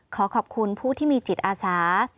ขอขอบคุณผู้ที่มีจิตอาสา